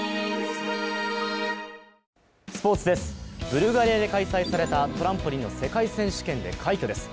ブルガリアで開催されたトランポリンの世界選手権で快挙です。